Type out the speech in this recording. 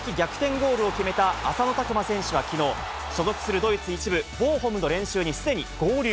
ゴールを決めた浅野拓磨選手はきのう、所属するドイツ１部・ボーフムの練習にすでに合流。